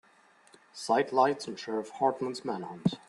Sidelights on Sheriff Hartman's manhunt.